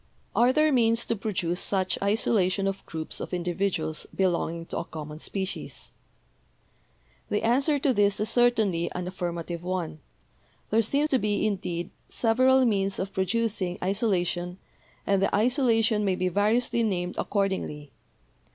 Are there means to produce such isolation of groups of individuals belonging to a common species ? "The answer to this is certainly an affirmative one. There seem to be, indeed, several means of producing isolation, and the isolation may be variously named accord ingly.